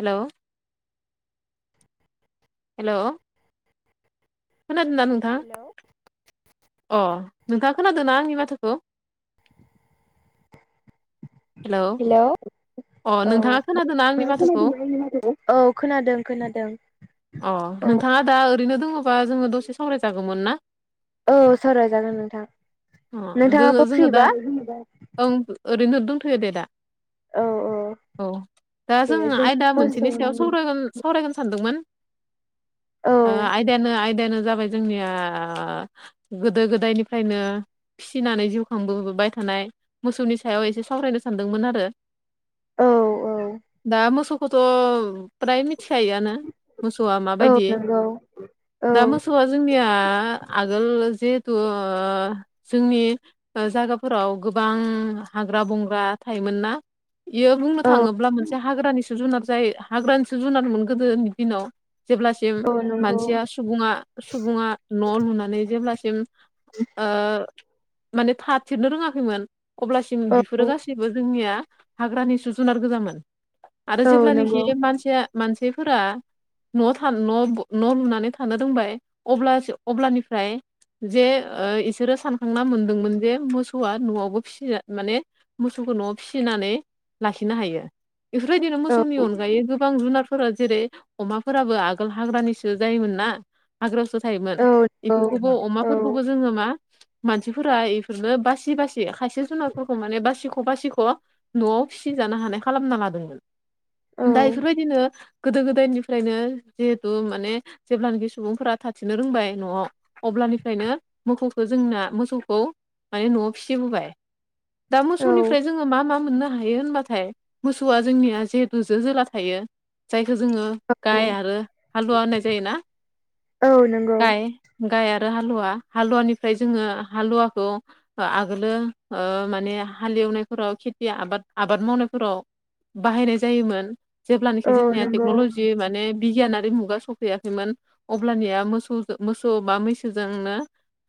हेल' hello खोनादोंना नोंथां hello अ नोंथाङा खोनादोंना आंनि माथोखौ हेलौ हेल' औ अ नोंथाङा खोनादोंना आंनि माथोखौ खोनादों औ खोनादों खोनादों अ औ नोंथाङा दा ओरैनो दङोबा जोङो दसे सावराय जागौमोन ना औ सावराय जागोन नोंथां अ दोङो नोंथाङाबो जोङो दा फ्रिबा ओं ओरैनो दंथ'यो दे दा औ औ औ दा दे जों आयदा मोनसेनि सायाव मोसौनि सावरायगोन सावरायगोन सानदोंमोन औ आयदायानो आयदायानो जाबाय जोंनिया गोदो गोदायनिफ्रायनो फिसिनानै जिउ खांबोबाय थानाय मोसौनि सायाव एसे सावरायनो सानदोंमोन आरो औ दा मोसौ मोसौखौथ' फ्राय मिथिखायोआनो मोसौआ औ माबायदि नंगौ औ दा मोसौआ जोंनिया आगोल जिहेथु जोंनि जायगाफोराव गोबां हाग्रा बंग्रा थायोमोन ना बियो बुंनो औ थाङोब्ला मोनसे हाग्रानि जुनार जय हग्रानिसो जुनारमोन गोदोनि दिनाव जेब्लासिम औ नंगौ मानसिया सुबुङा सुबुङा न' लुनानै जेब्लासिम माने थाथेरनो रोङाखैमोन अब्लासिम औ बिफोरो गासिबो जेबो जोंनिया हाग्रानि सु जुनार गोजामोन आरो औ नंगौ जेब्लानाखि मानसिया मानसिफोरा न' था नवाव लुनानै थानो रोंबाय अब्लास अब्लानिफ्राय जे इसोरो सानखांना मोनदोंमोन जे मोसौआ न'आवबो फिसि माने मोसौखौ न'आव फिसिनानै लाखिनो हायो बेफोरबायदिनो औ मोसौनि अनगायै गोबां जुनारफोरा जेरै अमाफोराबो आगोल हाग्रानिसो जायोमोन ना हाग्रायावसो थायोमोन औ बेफोरखौबो औ अमाफोरखौ जो मा मानसिफोरा बेफोरनो बासि बासि खायसे जुनार माने बासि बासिख' बासिख' न'आव फिसिजानो हानाय खालामना लादोंमोन दा औ बेफोरबायदिनो गोदो गोदायनिफ्रायनो जिहेथु माने जेब्लानाखि सुबुंफोरा थाथिरनो रोंबाय न'आव अब्लानिफ्रायनो मोसौखौ जोंना मोसौखौ माने न'आव फिसिबोबाय दा औ मोसौनि जोङो मा मा मोननो हायो होनबाथाय मोसौआ जोंनिया जिहेतु जो जोला थायो जायखौ जोङो गाय आरो हालुवा होननाय जायोना औ नंगौ गाय गाय आरो हालुवा हालुवानिफ्राय जोङो हालुवाखौ आगोलो माने हालेवनाय फोराव खेथि आबाद आबाद मावनायफोराव बाहायनाय जायोमोन जेबानाखि औ जोंनिया नंगौ टेक्न'ल'जि माने बिगियानारि मुगा सफैयाखैमोन अब्लानिया मोसौ मोसौ बा मैसोजोंनो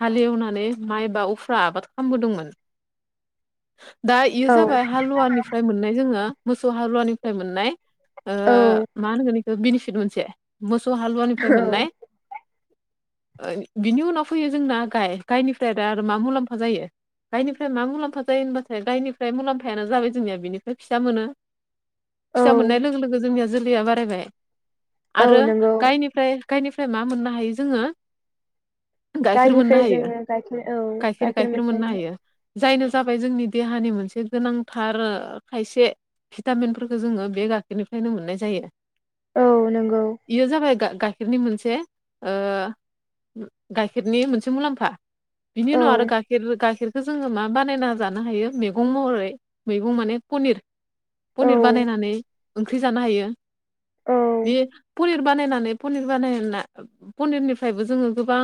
हालेवनानै माइ बा उफुर्रा आबाद खालामबोदोंमोन दा बेयो औ जाबाय हालुवानिफ्राय मोननाय जोङो मोसौ हालुवानिफ्राय मोननाय। ओ औ मा होनगोन बेखौ बेनिफिट मोनसे मोसौ औ हालुवानिफ्राय मोननाय। [inaudible] बिनि उनाव फैयो जोंना गाय गायनिफ्राय दा आरो मा मुलाम्फा जायो? गायनिफ्राय मा मुलाम्फा जायो होनबाथाय गायनिफ्राय मुलाम्फायानो जाबाय जोंनिया बिनिफ्राय फिसा मोनो। फिसा मोननाय औ लोगो लोगो जोंनिया जोलैया बारायबाय। आरो औ नंगौ गायनिफ्राय गायनिफ्राय मा मोननो हायो जोङो? गाइखेर मोननो गायनिफ्राय हायो जोङो गाइखेर औ गाइखेर गाइखेर मोननो हायो। जायनो जाबाय जोंनि देहानि मोनसे गोनांथार खायसे भिटामिनफोरखौ जोङो बे गाखेरनिफ्रायनो मोननाय जायो। औ नंगौ। बेयो जाबाय गाइखेरनि मोनसे गाइखेरनि मोनसे मुलाम्फा। बिनि औ उनाव आरो गाइखेर गाइखेरखो जोङो मा बानायना जानो हायो। मैगं महरै मैगं माने पनिर औ पनिर बानायनानै ओंख्रि जानो हायो औ बे पनिर बानायनानै पनिर बानायना। पनिरनिफ्रायबो जोङो गोबां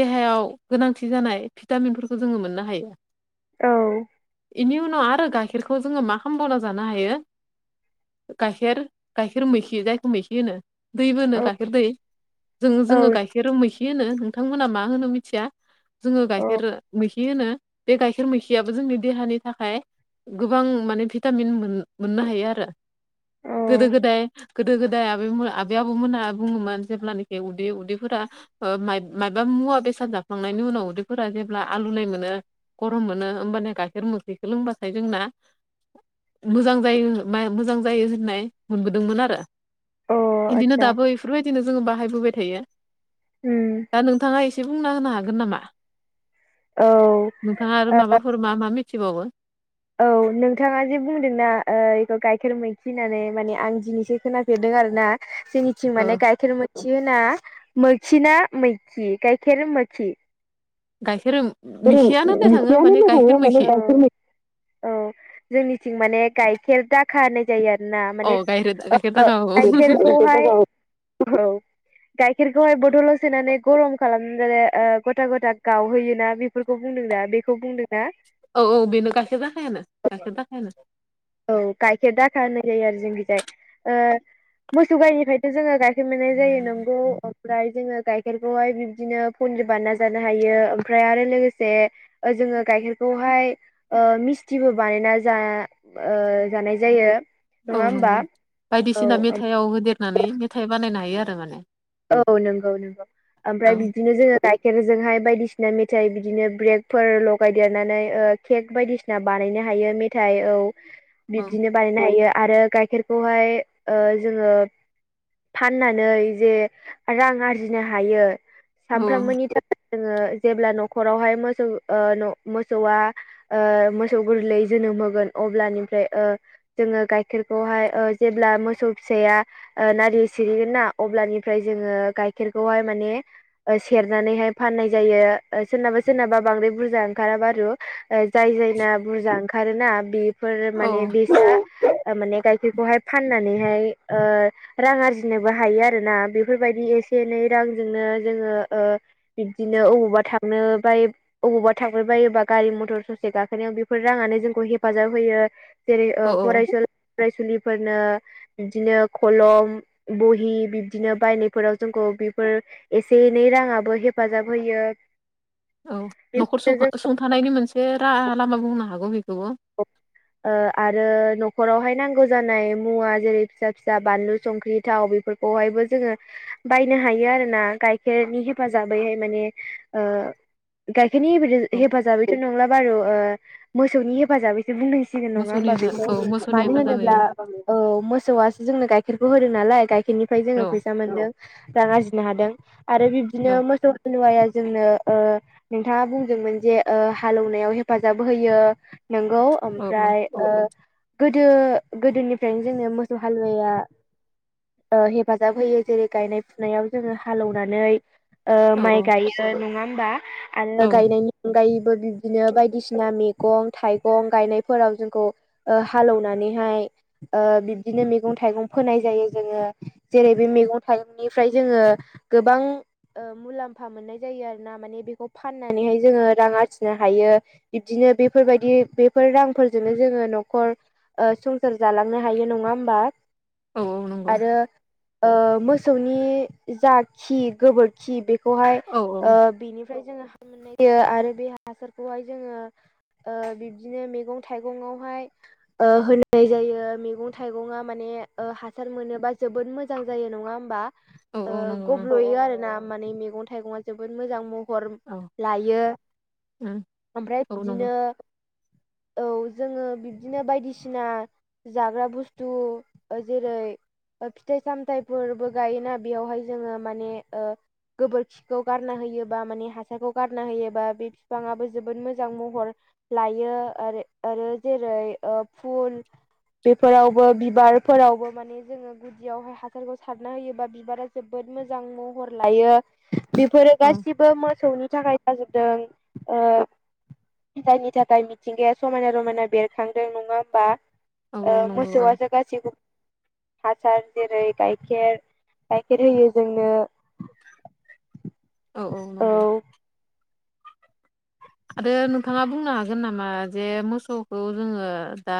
देहायाव गोनांथि जानाय भिटामिनफोरखौ जोङो मोननो हायो। औ। बेनि उनाव आरो गाइखेरखौ जोङो मा खालामबावना जानो हायो? गाइखेर गाइखेर मेखि जायखौ मैखि होनो। दैबो होनो औ गाइखेर दै जों औ जोङो गाइखेर गाइखेर मैखि होनो नोंथांमोना मा होनो मिथिया। जोङो औ गाइखेर मैखि होनो बे गाइखेर मैखिआ जोंनि देहानि थाखाय गोबां माने भिटामिन मोननो हायो आरो। औ गोदो गोदाय गोदो गोदाय आबै मोना आबौ मोना बुङोमोन जेब्लानोखि उदै उदैफोरा मायबा मायबा मुवा बेसाद जाफ्लांनायनि उनाव उदैफोरा जेब्ला आलुनाय मोनो गरम मोनो। होमबाना गाइखेर मोखैखो लोंबाथाय जोंना मोजां जायो माय मोजां जायो होननाय मोनबोदोंमोन आरो। औ बिदिनो आतसा दाबो इफोरबायदिनो जोङो बाहायबोबाय थायो। उम दा नोंथाङा एसे बुंना होनो हागोन नामा? औ ओ नोंथाङा आरो माबाफोर मा मा मिथिबावो। औ नोंथाङा जे बुंदोंना बेखौ गाइखेर मैखि होननानै माने आं दिनैसो खोनाफेरदों आरो ना। जोंनिथिं ओ माने‌ गाइखेर मोखि होना मोखिना मैखि गायखेर मोखि? गाइखेर मिखियानो होननाय थाङो माने गाइखेर मैखि [unintelligible] औ जोंनिथिं माने गाइखेर दा खा होननाय जायो आरोना अ माने गाइखेर ओ गाइखेर दाखा औ गायखेरखौहाय गायखेरखौहाय बथलाव सोनानै गरम खालामनानै गथा गथा गावहैयोना। फोरखौ बुंदों दा बेखौ बुंदोंना? औ औ बेनो गाइखेर दाखायानो गाइखेर दाखायानो। औ गाइखेर दाखा होननाय जायो आरो जोंनिखिजाय। मोसौ गायनिफ्रायसो जोङो गायखेर मोननाय जायो नोंगौ। ओमफ्राय जोङो गाइखेरखौहाय बिब्दिनो पनिर बानायना जानो हायो। ओमफ्राय आरो लोगोसे जोङो गायखेरखौहाय ओ मिस्थिबो बानायना जा जानाय जायो नङा होमबा। औ। दैयाव होदेर नानै मेथाइ बानायनो हायो आरो माने। औ नोंगौ नोंगौ। औ ओमफ्राय बिदिनो जोङो गाइखेरजोंहाय बायदिसिना मेथाइ बिदिनो ब्रेकफोर लगायदेरनानै ओ केक बायदिसिना बानायनो हायो मेथायाइ औ। [inaudible] बिदिनो बानायनो हायो आरो गाइखेरखौहाय जोङो फाननानै जे रां आरजिनो हायो औ सानफ्रामबोनि था जोङो जेब्ला न'खरावहाय मोसौ ओ मोसौआ ओ मोसौ गोरलै जोनोम होगोन अब्लानिफ्राय ओ जोङो गाइखेरखौहाय ओ जेब्ला मोसौ फिसाया नारि सिरिगोन ना अब्लानि फ्राय जोङो गाइखेरखौहाय माने सेरनानैहाय फाननाय जायो सोरनाबा सोरनाबा बांद्राय बुरजा ओंखारा बारु जाय जायना बुरजा ओंखारोना बे फोर माने औ बे [unintelligible] माने गायखेरखौहाय फाननानैहाय ओ रां आरजिनोबो हायो आरोना बेफोरबायदि एसे एनै रांजोंनो जोङो ओ बिबदिनो अबावबा थांनो बाय अबावबा थांबायबायोबा गारि मथर ससे गाखोनायाव बेफोर राङानो जोंखौ हेफाजाब होयो। जेरै औ फरायसुला फरायसुलिफोरनो बिदिनो खलम बहि बिदिनो बायनायफोराव जोंखौ बेफोर एसे एनै राङाबो हेफाजाब होयो। औ न'खर बिब्दिनो जों सुंथानायनि मोनसे राहा लामा बुंनो हागौ बेखौबो औ ओ आरो न'खरावहाय नांगौ जानाय मुवा जेरै फिसा फिसा बानलु संख्रि थाव बेफोरखौ बेहायबो जोङो बायनो हायो आरो ना गाइखेरनि हेफाजाबैहाय माने ओ गाइखेरनि औ हेफाजाबैथ' नंला बारु मोसौनि हेफाजाबैसो बुंदोंसै गिदिर नङा मोसौनि होमबा औ बेखौ मोसौनि मानो हेफाजाब होनोब्ला होयो औ मोसौआसो जोंनो गाइखेरखौ होदों नालाय गाइखेरनिफ्राय जोङो औ फैसा मोनदों। रां आरजिनो हादों आरो बिब्दिनो मोसौ हालुवाया जोंनो ओ नोंथाङा बुंदोंमोन जे हालौवनायाव हेफाजाब होयो नोंगौ औ ओमफ्राय गोदो गोदोनिफ्रायनो जोंनो मोसौ हालुवाया ओ हेफाजाब होयो जेरै गायनाय फुनायाव जोङो हालैनानै ओ औ माइ औ गायो नङा होमबा आरो औ गायनायनि अनगायैबो बिदिनो बायदिसिना मैगं थाइगं गायनायफोराव जोंखौ हालेवनानैहाय ओ बिब्दिनो मैगं थाइगं फोनाय जायो जोङो जेरै बे मैगं थाइगंनिफ्राय जोङो गोबां मुलाम्फा मोननाय जायो आरो ना माने बेखौ फाननानैहाय जोङो रां आरजिनो हायो बिदिनो बे बेफोरबायदि बेफोर रांफोरजोंनो जोङो न'खर संसार जालांनो हायो नङा होमबा औ औ नंगौ आरो मोसौनि जा खि गोबोरखि बे बेखौहाय औ औ ओ बेनिफ्राय जोङो हां मोननाय जायो आरो बे हासारखौहाय जोङो ओ बिब्दिनो मैगं थाइगंआवहाय ओ होननाय जायो मैगं थाइगं माने ओ हा हासार मोनोबा जोबोद मोजां जायो नङा होमबा? औ ओ औ नंगौ गब्ल'यो आरो ना माने मैगं थाइगङा जोबोद मोजां म हर औ लायो ओमफ्राय औ नंगौ बिदिनो औ जोङो बिब्दिनो बायदिसिना जाग्रा बुस्थु जेरै फिथाइ सामथाइफोरबो गायोना बेयावहाय जोङो माने ओ गोबोरखिखौ गारना होयोबा माने हासारखौ गारना होयोबा बे बिफाङाबो जोबोद मो मोजां महर लायो आरो आरो जेरै फुल बेफोरावबो बिबारफोरावबो माने जों जोङो गुदियावहाय हासारखौ सारना होयोबा बिबारा जोबोद मोजां महर लायो बेफोरो औ गासिबो मोसौनि थाखाय जाजोबदों ओ जायनि थाखाय मिथिंगाया समायना रमायना बेरखांदों नङा होमबा ओ औ नंगौ मोसौआसो गासैखौ हासार जेरै गाइखेर गाइखेर होयो जोंनो औ औ नंगौ आरो नोंथाङा बुंनो हागोन नामा जे मोसौखौ जोङो दा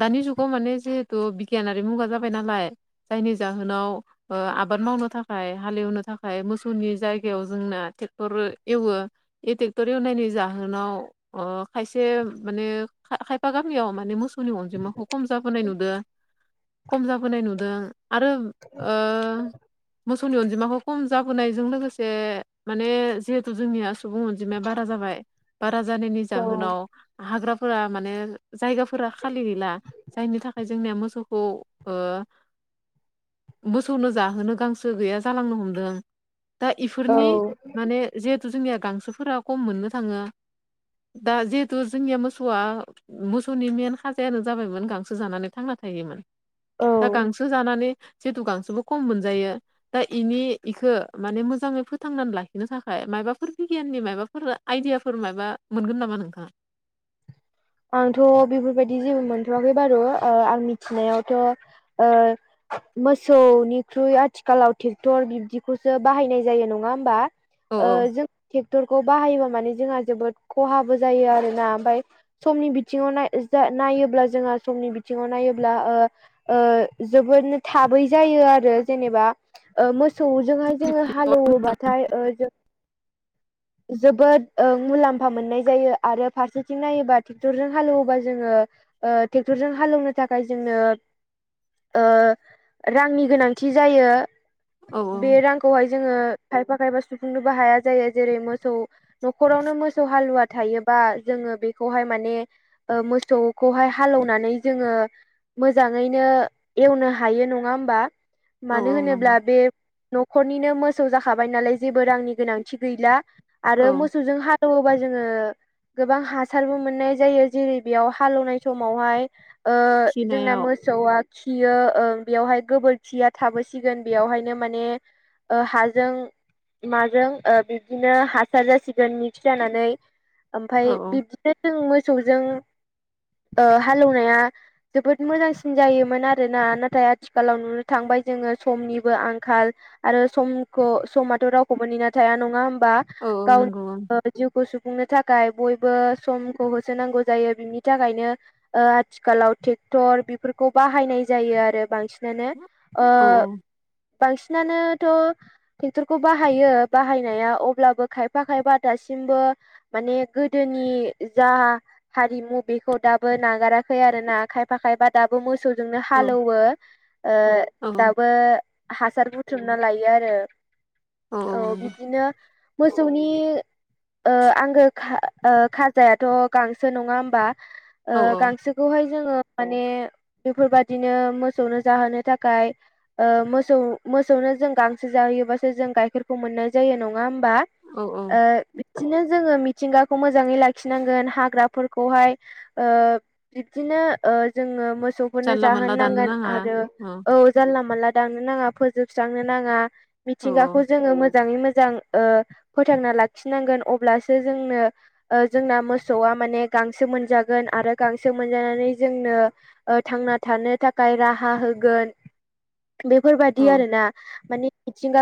दानि जुगाव माने जिहेथु बिगियानारि मुगा जाबाय नालाय जायनि जाहोनाव आबाद मावनो थाखाय हालेवनो थाखाय मोसौनि जायगायाव जोंना ट्रेक्टर एवो बे टेक्टर एवनायनि जाहोनाव ओ खायसे माने खायफा गामियाव माने मोसौ फोरनि अनजिमाखौ खम जाबोनाय नुदो खम जाबोनाय नुदों आरो ओ मोसौ नि अनजिमाखौ खम जाबोनायजों लोगोसे माने जिहेतु जोंनिया सुबुं अनजिमाया बारा जाबाय बारा जानायनि औ जाहोनाव हाग्राफोरा माने जायगाफोरा खालि गैला जायनि थाखाय जोंनिया मोसौखौ ओ मोसौनो जाहोनो गांसो गैया जालांनो हमदों दा औ इफोरनि माने जिहेथु जोंनिया गांसोफोरा खम मोननो थाङो दा जिहेथु जोंनिया मोसौआ मोसौनि मेन खाजायानो जाबायमोन गांसो जानानै थांना थायोमोन औ दा गांसो जानानै जितु गांसोबो खम मोनजायो दा इनि इखो माने मोजाङै फोथांनानै लाखिनो थाखाय मायबाफोर बिगियाननि मायबाफोर आइडियाफोर माबा मोनगोन नामा नोंथां आंथ' बेफोरबायदि जेबो मोनथ'वाखै बारु ओ आं मिथिनायावथ' ओ मोसौनिख्रुइ आथिखालाव ट्रेक्टर बिब्दिखौसो बाहायनाय जायो नङा होमबा। औ ओ जों ट्रेक्टरखौ बाहायोबा माने जोंहा जोबोद खहाबो जायो आरोना ओमफाय समनि बिथिङाव नाय जा नायोब्ला जोंहा समनि बिथिङाव नायोब्ला जोबोदनो थाबै जायो आरो जेनेबा मोसौजोंहाय जोङो हालौवोबाथाय ओ जों जोबोद मुलाम्फा मोननाय जायो आरो फारसेथिं नायोबा ट्रेक्टरजों हालौवोबा जोङो ट्रेक्टरजों हालौवनो थाखाय जोंनो रांनि गोनांथि जायो औ बे रांखौहाय जोङो खायफा खायफा सुफुंनोबो हाया जायो जेरै मोसौ न'खरावनो मोसौ हालुवा थायो बा जोङो बेखौहाय माने ओ मोसौखौहाय हालौनानै जोङो मोजाङैनो एवनो हायो नङा होमबा। औ मानो औ होनोब्ला नंगौ बे न'खरनिनो मोसौ जाखाबाय नालाय जेबो रांनि गोनांथि गैला। औ आरो मोसौजों हालौवोबा जोङो गोबां हासारबो मोननाय जायो जेरै बेयाव हालेवनाय समावहाय जोंना खिनायाव मो सौवा खियो बेयावहाय गोबोरखिया थाबोसिगोन बेवहायनो माने हाजों माजों ओ बिबदिनो हासार जासिगोन मिक्स जानानै औ ओमफाय बिब दिनो जों मोसौजों ओ हालौवनाया जोबोद मोजांसिन जायोमोन आरोना नाथाय आथिखालाव नुनो थांबाय जोङो समनिबो आंखाल आरो समखौ समाथ' रावखौबो नेना थाया नङा होमबा औ औ नंगौ ओं गावनि जिउखौ सुफुंनो थाखाय बयबो समखौ होसोनांगौ जायो बिनि थाखायनो आथिखालाव ट्रेक्टर बेफोरखौ बाहायनाय जायो आरो बांसिन नानो ओ बांसिनानोथ' ट्रेक्टरखौ बाहायो बाहाय नाया अब्लाबो खायफा खायबा दासिमबो माने गोदोनि जा हारिमु बेखौ दाबो नागाराखै आरो ना खायफा खायफा दाबो मोसौजोंनो औ हालौवो ओ औ दाबो हासार बुथुमना लायो आरो औ बिब्दिनो मोसौनि ओ आंगो खा खाजायाथ' गांसो नङा होमबा ओ औ गांसो बेखौहाय जोङो माने बेफोरबादिनो मोसौनो जाहोनो थाखाय ओ मोसौ मोसौनो जों गांसो जाहैयोबासो जों गाइखेरखौ मोननो जायो नङा होमबा औ औ ओ बिदिनो जोङो मिथिंगाखौ मोजाङै लाखिनांगोन हाग्राफोरखौहाय ओ बिबदिनो ओ जोङो मोसौफोरनो जानला मानला जाहोनो दाननो नांगोन नाङा आरो औ जानला मानला दांनो नाङा फोजोबस्रांनो नाङा औ मिथिंगाखौ जोङो मोजां मोजाङै मोजां ओ फोथांना लाखिनांगोन अब्लासो जोंनो ओ जोंना मोसौआ माने गांसो मोनजागोन आरो गांसो मोनजानानै जोंनो ओ थांना थानो थाखाय राहा होगोन बेफोरबायादि औ आरो ना माने मिथिंगाखौ